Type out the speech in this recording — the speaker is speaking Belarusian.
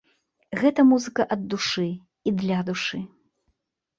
Гэта музыка ад душы і для душы.